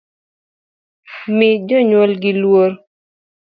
Mi jonywolgi luorr